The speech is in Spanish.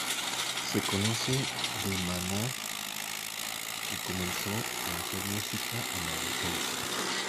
Se conoce de Mana, que comenzó a hacer música en la adolescencia.